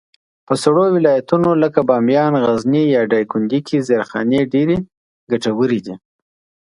په سړو ولایتونو لکه بامیان، غزني، یا دایکنډي کي زېرخانې ډېرې ګټورې دي.